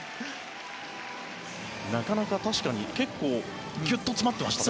なかなか確かに結構、キュッと詰まってましたね。